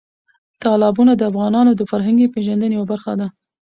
تالابونه د افغانانو د فرهنګي پیژندنې یوه برخه ده.